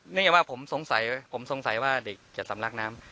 อย่างว่าผมสงสัยผมสงสัยว่าเด็กจะสำลักน้ำ